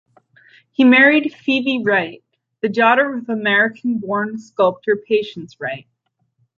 He married Phoebe Wright, the daughter of American-born sculptor Patience Wright.